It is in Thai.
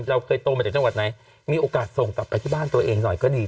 เราเคยโตมาจากจังหวัดไหนมีโอกาสส่งกลับไปที่บ้านตัวเองหน่อยก็ดี